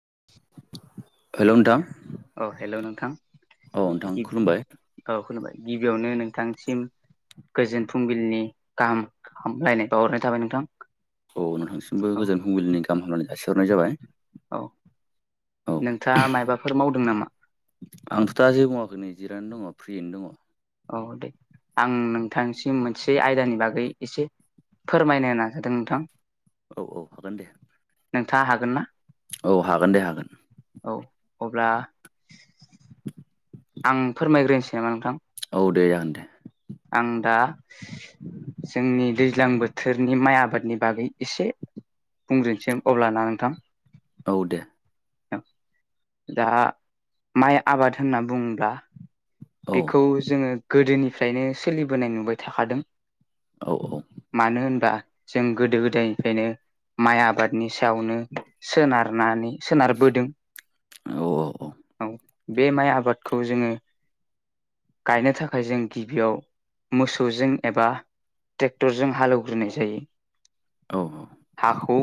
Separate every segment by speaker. Speaker 1: [inaudible]
Speaker 2: Hello नोंथां।
Speaker 1: अ hello नोंथां।
Speaker 2: औ नोंथां खुलुमबाय।
Speaker 1: औ खुलुमबाय गिबियावनो नोंथांसिम गोजोन फुंबिलिनि गाहाम फाहामलायनायखौ बावहरनाय थाबाय नोंथां।
Speaker 2: औ नोंथांसिमबो
Speaker 1: औ
Speaker 2: गोजोन फुंबिलिनि गाहाम हामलायनाय जासिहरनाय जाबाय।
Speaker 1: औ
Speaker 2: औ
Speaker 1: नोंथाङा मायबाफोर मावदों नामा?
Speaker 2: आंथ' दा जे मावङाखै नै जिरानो दङ फ्रियैनो दङ।
Speaker 1: औ दे आं नोंथांसिम मोनसे आयदानि बागै एसे फोरमायनो नाजादों नोंथां।
Speaker 2: औ औ हागोन दे।
Speaker 1: नोंथाङा हागोन ना?
Speaker 2: औ हागोन दे हागोन।
Speaker 1: औ अब्ला आं फोरमायग्रोनोसै नामा नोंथां।
Speaker 2: औ दे जागोन दे।
Speaker 1: आं दा जोंनि दैज्लां बोथोरनि माइ आबादनि बागै एसे बुंग्रोनसै अब्लाना नोंथां?
Speaker 2: औ दे।
Speaker 1: दा माइ आबाद होनना बुंङोब्ला
Speaker 2: औ
Speaker 1: बेखौ जोङो गोदोनिफ्रायनो सोलिबोनाय नुबाय थाखादों।
Speaker 2: औ औ
Speaker 1: मानो होनबा जों गोदो गोदायनिफ्रायनो माइ आबादनि सायावनो सोनारनानै सोनारबोदों
Speaker 2: औ
Speaker 1: औ बे माइ आबादखौ जोङो गायनो थाखाय जों गिबियाव मोसौजों एबा टेक्टरजों हालेवग्रोनाय जायो
Speaker 2: औ
Speaker 1: [inaudible] हाखौ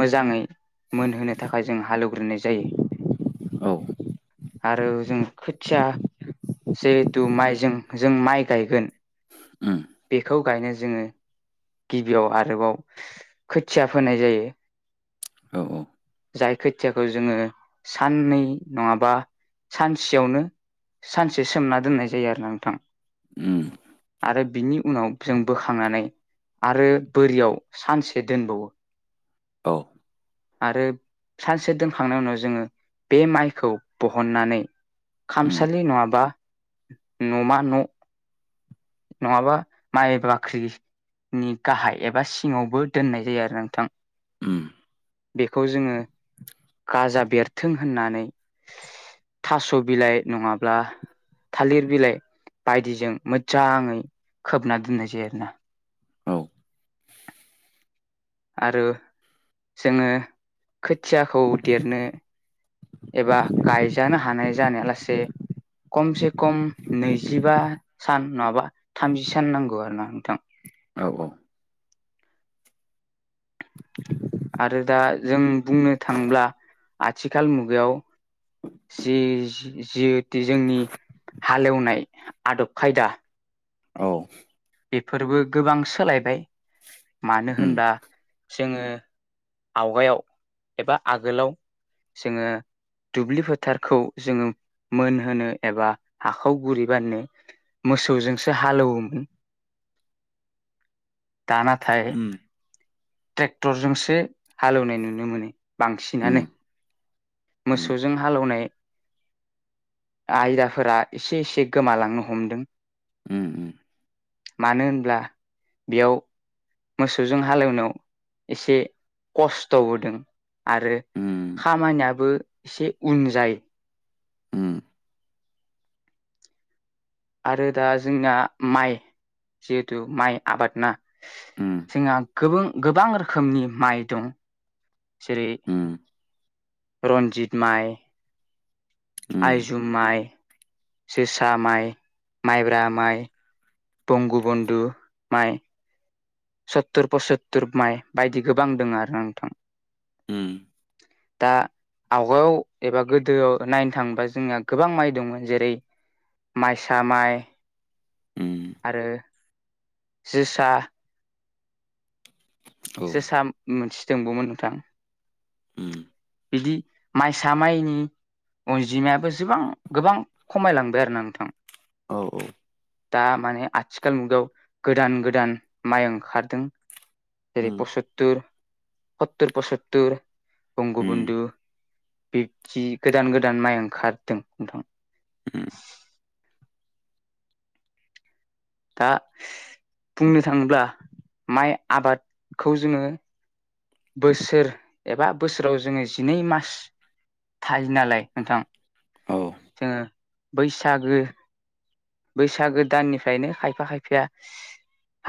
Speaker 1: मोजाङै मोनहोनो थाखाय जों हालेवग्रोनाय जायो
Speaker 2: औ
Speaker 1: [inaudible] आरो जों खोथिया जिहेथु माइजों जों माइ गायगोन
Speaker 2: उम
Speaker 1: [inaudible] बेखौ गायनो जोङो गिबियाव आरोबाव खोथिया फोनाय जायो।
Speaker 2: औ औ
Speaker 1: जाय खोथियाखौ जोङो साननै नङाबा सानसेयावनो सानसे सोमना दोननाय जायो आरो नोंथां।
Speaker 2: उम
Speaker 1: आरो बिनि उनाव जों बोखांनानै आरो बोरियाव सानसे दोनबावो
Speaker 2: औ
Speaker 1: आरो सानसे दोनखांनायनि उनाव जोङो बे माइखौ बहननानै
Speaker 2: उम
Speaker 1: खामसालि नङाबा न'मा न' नङाबा माइ बाख्रि नि गाहाय एबा सिङावबो दोननाय जायो आरो नोंथां।
Speaker 2: उम
Speaker 1: बेखौ जोङो गाजा बेरथों होननानै थास' बिलाइ नङाब्ला थालिर बिलाइ बायदिजों मोज्जाङै खोबना दोननाय जायो आरोना।
Speaker 2: औ
Speaker 1: आरो जोङो खोथियाखौ देरनो एबा गायजानो हानाय जानायालासे कमसे कम नैजिबा सान नङाबा थामजि सान नांगौ आरो ना नोंथां।
Speaker 2: औ औ
Speaker 1: आरो दा जों बुंनो थांब्ला आथिखाल मुगायाव जि [unintelligible] जोंनि हालेवनाय आदब खायदा
Speaker 2: औ।
Speaker 1: बेफोरबो गोबां सोलायबाय मानो
Speaker 2: उम
Speaker 1: होनबा जोङो आवगायाव एबा आगोलाव जोङो दुब्लि फोथारखौ जोङो मोनहोनो एबा हाखौ गुरै बानायनो मोसौजोंसो हालौवोमो [inaudible] दा नाथाय
Speaker 2: उम
Speaker 1: ट्रेक्टरजोंसो हालेवनाय नुनो मोनो।
Speaker 2: उम
Speaker 1: बांसिनानो
Speaker 2: उम
Speaker 1: मोसौजों हालोवनाय आयदाफोरा इसे इसे गोमालांनो हमदों।
Speaker 2: उम
Speaker 1: मानो होनब्ला बेयाव मोसौजों हालेवनायाव इसे खस्थ'बो दों आरो
Speaker 2: उम
Speaker 1: खामानियाबो इसे उन जायो।
Speaker 2: उम
Speaker 1: आरो दा जोंना माइ जिहेथु माइ आबाद ना
Speaker 2: उम
Speaker 1: जोंहा गोबों गोबां रोखोमनि माइ दं। जेरै
Speaker 2: उम
Speaker 1: रन्जिद माइ
Speaker 2: उम
Speaker 1: आइजुम माइ, जोसा माइ, माइब्रा माइ, बंगु बन्धु माइ। सत्तुर पसत्तुर माइ बायदि गोबां दों आरो ना नोंथां।
Speaker 2: उम
Speaker 1: दा आवगायाव एबा गोदोआव नायनो थाङोबा जोंनिया गोबां माइ दंमोन जेरै माइसा माइ
Speaker 2: उम
Speaker 1: आरो [inaudible] जोसा
Speaker 2: औ
Speaker 1: जोसा मोनसे दंबावमोन नोंथां।
Speaker 2: उम
Speaker 1: बिदि माइसा माइनि अनजिमायाबो जिबां गोबां खमायलांबाय आरो ना नोंथां
Speaker 2: औ औ
Speaker 1: दा माने आथिखाल मुगायाव गोदान गोदान माइ ओंखारदों जेरै
Speaker 2: उम
Speaker 1: पसततर, सततर, पसततर,
Speaker 2: उम
Speaker 1: बंगबन्धु बिबादि गोदान गोदान माइ ओंखारदों नोंथां दा बुंनो थाङोब्ला माइ आबादखौ जोङो बोसोर एबा बोसोराव जोङो जिनै मास थायो नालाय नोंथां
Speaker 2: औ
Speaker 1: जोङो बैसागो बैसागो दाननिफ्रायनो खायफा खायफाया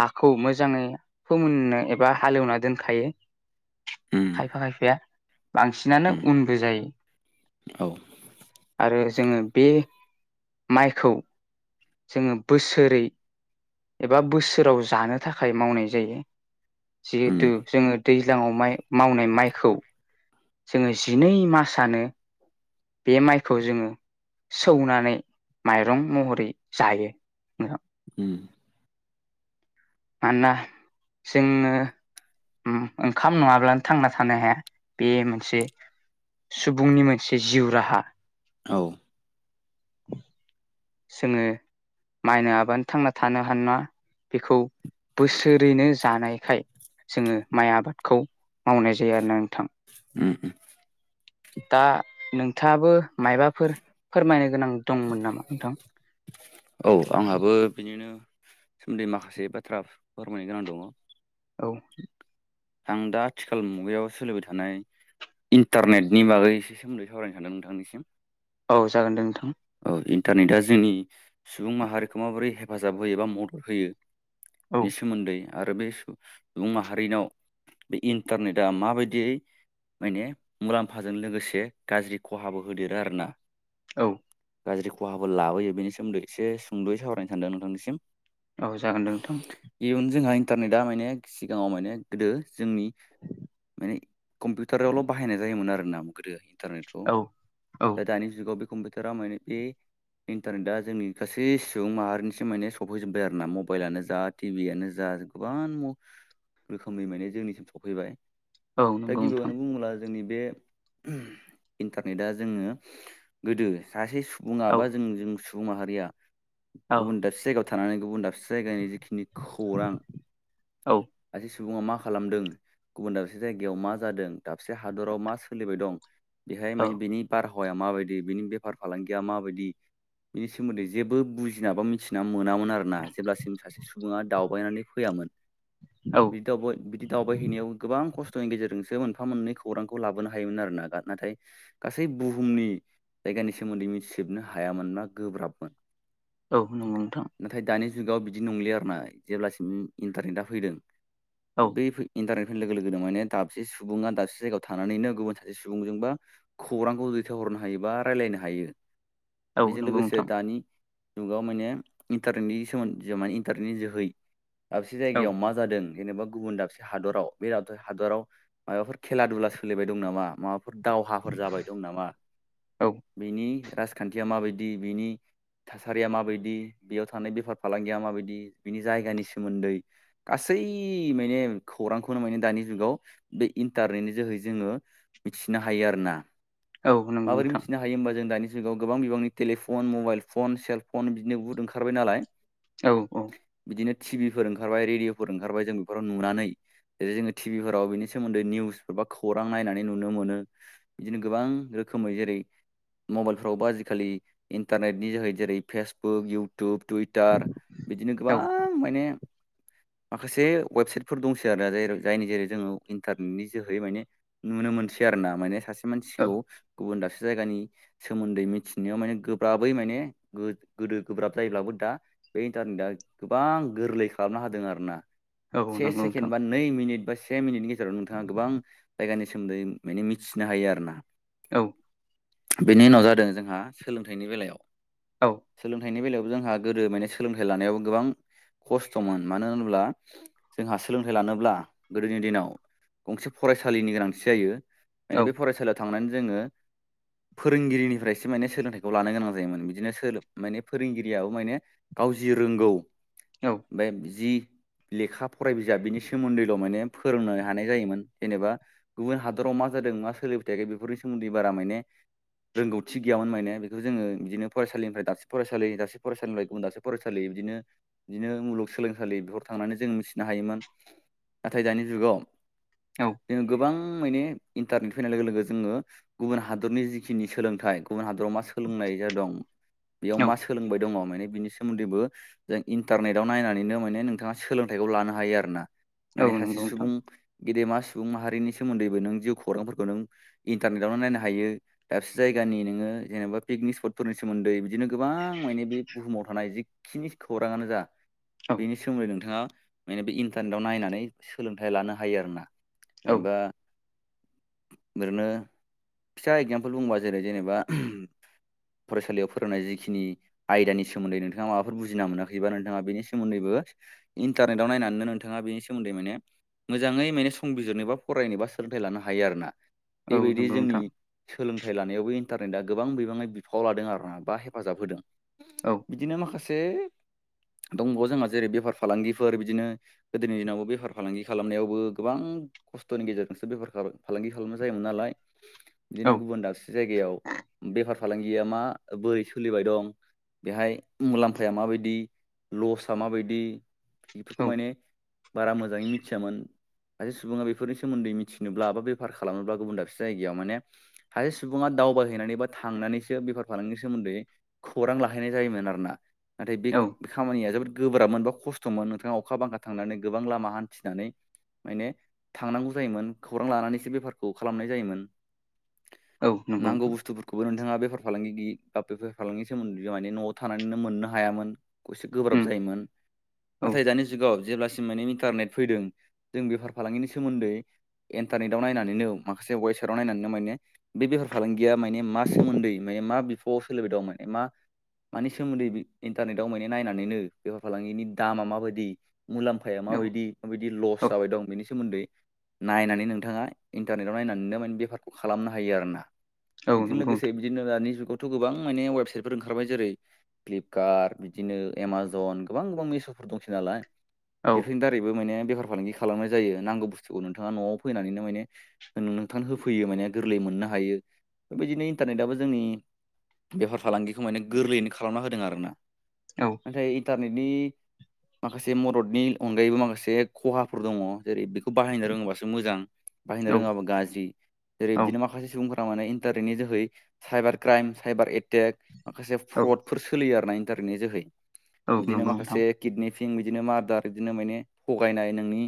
Speaker 1: हाखौ मोजाङै फोमोननो एबा हालेवना दोनखायो
Speaker 2: उम
Speaker 1: खायफाया बांसिनानो
Speaker 2: उम
Speaker 1: उनबो जायो
Speaker 2: औ
Speaker 1: आरो जोङो बे माइखौ जोङो बोसोरै एबा बोसोराव जानो थाखाय मावनाय जायो
Speaker 2: उम
Speaker 1: जिहेथु जोङो दैज्लाङाव माइ मावनाय माइखौ जोङो जिनै मासनो बे माइखौ जोङो सौनानै माइरं महरै जायो
Speaker 2: उम
Speaker 1: मानोना जोङो ओंखाम नङाब्लानो थांना थानो हाया बे मोनसे सुबुंनि मोनसे जिउ राहा
Speaker 2: औ
Speaker 1: जोङो माइ नङाबानो थांना थानो हानाय नङा बेखौ बोसोरैनो जानायखाय जोङो माइ आबादखौ मावनाय जायो आरोना नोंथां
Speaker 2: ओम ओम
Speaker 1: दा नोंथाङाबो मायबाफोर फोरमायनो गोनां दंमोन नामा नोंथां?
Speaker 2: औ आंहाबो बिदिनो सोमोन्दै माखासे बाथ्रा फोरमायनो गोनां दङ
Speaker 1: औ
Speaker 2: आं दा आथिखाल मुगायाव सोलिबाय थानाय इन्टारनेटनि बागै एसे सोमोन्दै सावरायनो सानदों नोंथांनिसिम
Speaker 1: औ जागोन दे नोंथां
Speaker 2: इन्टारनेटा जोंनि सुबुं माहारिखौ माबोरै हेफाजाब होयो एबा मदद होयो
Speaker 1: औ
Speaker 2: नि सोमोन्दै आरो बे सुबुं माहारिनाव बे इन्टारनेटआ माबायदियै माने मुलाम्फाजों लोगोसे गाज्रि खहाबो होदेरो आरो ना
Speaker 1: औ
Speaker 2: गाज्रि खहाफोर लाबोयो बेनि सोमोन्दै एसे सुंद'यै सावरायनो सानदों नोंथांनिसिम
Speaker 1: औ जागोन दे नोंथां
Speaker 2: इन्टारनेटा माने सिगाङाव माने गोदो जोंनि माने कम्पिउटारावल' बाहायनाय जायोमोन आर ना गोदोहाय इन्टारनेटखौ
Speaker 1: औ औ
Speaker 2: दा दानि जुगाव बे कम्पिउटारा माने बे इन्टारनेटआ जोंनि गासै सुबुं माहारिनिसिम माने सफैजोबबाय आरो ना मबाइलानो जा टिभियानो जा गोबां महर रोखोमनि माने जोंनिसिम सफैबाय
Speaker 1: औ
Speaker 2: दा
Speaker 1: नंगौ नोंथां
Speaker 2: गिबियावनो बुङोब्ला जोंनि बे इन्टारनेटआ जोङो गोदो सासे सुबुं सुबुङा
Speaker 1: औ
Speaker 2: बा जों जों सुबुं माहारिया
Speaker 1: औ
Speaker 2: गुबुन दाबसे जायगायाव थानानै गुबुन दाबसे जायगानि जिखिनि खौरां सुबुङा मा खालामदों, गुबुन दाबसे जायगायाव मा जादों, दाबसे हादराव मा सोलिबाय दं बेहाय
Speaker 1: औ
Speaker 2: माने बिनि बारहावाया माबायदि, बिनि बेफार फालांगिया माबायदि बिनि सोमोन्दै जेबो बुजिना बा मिथिना मोनामोन आरोना जेब्लासिम सासे सुबुङा दावबायनानै फैयामोन। बिदि दावबाय बिदि दावबायहैनायाव गोबां खस स्थ'नि गेजेरजोंसो मोनफा मोननै खौरांखौ लाबोनो हायोमोन आरो ना नाथाय गासै बुहुमनि जायगानि सोमोन्दै मिथिजोबनो हायामोनना गोब्राबमोन।
Speaker 1: औ नंगौ नोंथां।
Speaker 2: नाथाय दानि जुगाव बिदि नंलिया आरोना जेब्लासिम इन्टारनेटआ फैदों
Speaker 1: औ
Speaker 2: बैफो इन्टारनेट लोगो लोगोनो माने दाबसे सुबुङा दाबसे जायगायाव थानानैनो गुबुन सासे सुबुंजोंबा खौरांखौ दैथावहर नो हायोबा रायलायनो हायो
Speaker 1: औ
Speaker 2: बेजों
Speaker 1: नंगौ
Speaker 2: लोगोसे
Speaker 1: नोंथां
Speaker 2: दानि जुगाव माने इन्टारनेटनि सोमोन्दै माने इन्टारनेटनि जोहै दाबसे
Speaker 1: औ
Speaker 2: जायगायाव मा जादों जेनेबा गुबुन दाबसे हादराव बे दाबसे हादराव मायबाफोर खेला दुला सोलिबाय दं नामा माबा फोर दावहाफोर जाबाय दं नामा
Speaker 1: औ
Speaker 2: बिनि राजखान्थिया माबायदि बिनि थासारिया माबायदि बेयाव थानाय बेफार फालांगिया माबायदि बिनि जायगानि सोमोन्दै गासै गासै माने खौरांखौनो माने दानि जुगाव बे इन्टारनेटनि जोहै जोङो मिथिनो हायो आरो ना
Speaker 1: औ नंगौ
Speaker 2: माबोरै
Speaker 1: नोंथां
Speaker 2: मिथिनो हायो होमबा जों दानि जुगाव गोबां बिबांनि टेलिफन मबाइल फन सेलफन बिदिनो बुहुद ओंखारबाय नालाय।
Speaker 1: औ औ।
Speaker 2: बिदिनो टि बिफोर ओंखारबाय रेडिअफोर ओंखारबाय जों बेफोराव नुनानै जेरै जोङो टि बिफोराव बिनि सोमोन्दै निउस बा खौरां नायनानै नुनो मोनो बिदिनो गोबां रोखोम खोमै जेरै मबाइलफ्रावबो आजिखालि इन्टारनेटनि जोहै जेरै फेसबुक इउटुब टुइटार बिदिनो
Speaker 1: औ
Speaker 2: गोबां माने
Speaker 1: [inaudible]
Speaker 2: माखासे वेबसाइटफोर दंसै आरो जायनि जेरै जोङो इन्टारनेटनि जोहै माने नुनो मोनसै आर ना माने सासे मानसिखौ
Speaker 1: औ
Speaker 2: गुबुन दाबसे जायगानि सोमोन्दै मिथिनायाव माने गोब्राबै माने गो गोदो गोब्राब जायोब्लाबो दा बे इन्टारनेटआ गोबां गोरलै खालामना होदों आरोना
Speaker 1: औ
Speaker 2: से
Speaker 1: नंगौ
Speaker 2: सेकेण्ड
Speaker 1: नोंथां
Speaker 2: बा नै मिनिट बा से मिनिटनि गेजेराव नोंथाङा गोबां जायगानि सोमोन्दै माने मिथिनो हायो आरोना।
Speaker 1: औ।
Speaker 2: बेनि उनाव जादों जोंहा सोलोंथाइनि बेलायाव सोलोंथाइ थाइनि बेलायावबो जोंहा गोदो माने सोलोंथाइ लानायावबो गोबां खस्थ'मोन मानो होनोब्ला जोंहा सोलोंथाइ लानोब्ला गोदोनि दिनाव गंसे फरायसालिनि गोनांथि जायो ओंखायनो
Speaker 1: औ
Speaker 2: बे फरायसालियाव थांनानै जोङो फोरोंगिरिनिफ्रायसो माने सोलोंथाइखौ लानो गोनां जायोमोन बिदिनो सोलो माने फोरोंगिरियाबो माने गाव जि रोंगौ
Speaker 1: औ
Speaker 2: बे जि रो लेखा फराय बिजाब बिनि सोमोन्दैल' माने फोरोंनो हानाय जायोमोन जेनेबा गुबुन हादराव मा जादों मा सोलिबाय थायाखै बेफोरनि सोमोन्दै बारा मायने रोंगौथि गैयामोन मायने बेखौ जोङो बिदिनो फरायसालिनिफ्राय दाबसे फरायसालि दाबसे फरायसालिनिफ्राय गुबुन दाबसे फरायसालि बिदिनो बिदिनो मुलुगसोलोंसालि बेफोराव थांनानै जों मिथिनो हायोमोन। नाथाय दानि जुगाव
Speaker 1: औ
Speaker 2: जोङो गोबां मायने इन्टारनेट फैनाय लोगो लोगो जोङो गुबुन हादरनि जि खिनि सोलोंथाइ गुबुन हादराव मा सोलोंनाय जादोंं बेयाव
Speaker 1: औ
Speaker 2: मा सोलोंबाय दङ माने बिनि सोमोन्दैबो जों इन्टारनेटाव नायनानैनो मायने नोंथाङा सोलोंथाइखौ लानो हायो आरोना।
Speaker 1: औ
Speaker 2: मायने
Speaker 1: नंगौ
Speaker 2: सासे
Speaker 1: नोंथां
Speaker 2: सुबुं गेदेमा सु सुबुं माहारिनि सोमोन्दैबो नों जिउ खौरांफोरखौ नों इन्टारनेटआवनो नायनो हायो। दाबसे जायगानि नोङो जेनबा पिकनिक स्पटफोरनि सोमोन्दै बिदिनो गोबां माने बे बुहुमाव थानाय जिखिनि खौराङानो जा
Speaker 1: औ
Speaker 2: बेनि सोमोन्दै नोंथाङा माने बे इन्टारनेटआव नायनानै सोलोंथाइ लानो हायो आरोना
Speaker 1: औ
Speaker 2: जेनेबा ओरैनो फिसा एगजामपोल बुंबा जेरै जेनेबा फरायसालियाव फोरोंनाय जिखिनि आयदानि सोमोन्दै नोंथाङा माबाफोर बुजिना मोनाखैबा नोंथाङा बेनि सोमोन्दैबो बो इन्टारनेटाव नायनानैनो नोंथाङा बेनि सोमोन्दै मायने मोजाङै माने संबिजिरनो बा फरायनोबा सोलोंथाइ लानो हायो आरो ना।
Speaker 1: औ नोंगौ नोंथां।
Speaker 2: सोलोंथाइ लानायावबो इन्टारनेटआ गोबां बिबाङै बिफाव लादों आरो ना बा हेफाजाब होदों।
Speaker 1: औ
Speaker 2: बिदिनो माखासे दंबावो जोंहा जेरै बेफार फालांगिफोर बिदिनो गोदोनि दिनावबो बेफार फालांगि खालामनायावबो गोबां खस्थ'नि गेजेरजोंसो बेफार फा-फालांगि खालामनाय जायोमोन नालाय
Speaker 1: औ
Speaker 2: बिदिनो गुबुन दास से जायगायाव बेफार फालांगिया मा बोरै सोलिबाय दं बेहाय मुलाम्फाया माबायदि लसआ माबायदि बेफोरखौ
Speaker 1: औ
Speaker 2: माने बारा मोजाङै मिथियामोन। सासे सुबुङा बेफोरनि सोमोन्दै मिथिनोब्ला बा बेफार खालामनोब्ला गुबुन दाबसे जायगायाव माने सासे सुबुङा दावबायहैनानै बा थांनानैसो बेफार फालांगिनि सोमोन्दै खौरां लाहैनाय जायोमोन आरोना नाथाय बे
Speaker 1: औ
Speaker 2: खामानिया जोबोद गोब्राब मोनबा खस्थ'मोन नोंथाङा अखा बांखा थांनानै गोबां लामा हान्थिनानै माने थांनांगौ जायोमोन खौरां लानानैसो बेफारखौ खालामनाय जायोमोन।
Speaker 1: औ नंगौ
Speaker 2: नांगौ
Speaker 1: नोंथां
Speaker 2: बुस्थुफोरखौबो नोंथाङा बेफार फालांगि बा बेफार फालांगिनि सोमोन्दै जों माने न'आव थानानैनो मोननो हायामोन एसे गोब्राब
Speaker 1: उम
Speaker 2: जायोमोन।
Speaker 1: औ
Speaker 2: नाथाय दानि जुगाव जेब्लासिम माने इन्टारनेट फैदों। जों बेफार फालांगिनि सोमोन्दै इन्टारनेटाव नायनानैनो माखासे वेबसाइटआव नायनानैनो माने बे बेफार फालांगिया माने मा सोमोन्दै माय मा बिफ'आव सोलिबाय दं माने मा मानि सोमोन्दै बि इन्टारनेटआव माने नायनानैनो बेफार फालांगिनि दामा माबायदि? मुलाम्फाया
Speaker 1: औ
Speaker 2: माबायदि माबायदि लस
Speaker 1: औ
Speaker 2: जाबाय दं बेनि सोमोन्दै नायनानै नोंथाङा इन्टारनेटाव नायनानैनो माने बेफारखौ खालामनो हायो आरो ना।
Speaker 1: औ
Speaker 2: बेजों
Speaker 1: नंगौ
Speaker 2: लोगोसे
Speaker 1: नोंथां
Speaker 2: बिदिनो दानि जुगावथ' गोबां माने वेबसाइटफोर ओंखारबाय जेरै फ्लिपकार्ट बिदिनो एमाजन गोबां गोबां मेश'फोर दंसैना लाय
Speaker 1: औ
Speaker 2: बेफोरनि दारै बो माने बेका फालांगि खालामनाय जायो नांगौ बुस्थुखौ नोंथाङा न'आव फैनानैनो माने नोंथां होफैयो माने गोरलै मोननो हायो बेबायदिनो इन्टारनेटआबो जोंनि बेफार फालांगिखौ माने गोरलैयैनो खालामना होदों आरोना
Speaker 1: औ
Speaker 2: नाथाय इन्टारनेटनि माखासे मददनि अनगायैबो माखासे खहाफोर दङ जेरै बेखौ बाहायनो रोङोबासो मोजां। बाहायनो
Speaker 1: औ
Speaker 2: रोङाबा गाज्रि जेरै
Speaker 1: औ
Speaker 2: बिदिनो माखासे सुबुंफोरा माने इन्टारनेटनि जोहै साइबार क्राइम साइबार एटेक माखासे
Speaker 1: औ
Speaker 2: फ्रडफोर सोलियो आरो ना इन्टरनेटनि जोहै
Speaker 1: औ
Speaker 2: बिदिनो
Speaker 1: नंगौ
Speaker 2: माखासे
Speaker 1: नोंथां
Speaker 2: किदनिपिं बिदिनो मार्दार बिदिनो माने थगायनाय नोंनि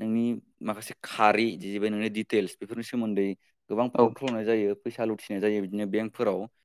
Speaker 2: नोंनि माखासे खारि नोंनि दिटेलस बेफोर सोमोन्दै गोबां
Speaker 1: औ
Speaker 2: फ्र'द खालामनाय जायो फैसा लुथिनाय जायो बिदिनो बेंकफोराव